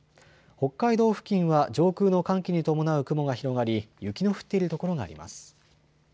北海道付近は上空の寒気に伴う雲が広がり、雪の降っている所があります。